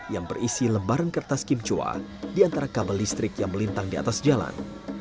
yang berisi lembaran kertas kimchua di antara kabel listrik yang melintang di atas jalan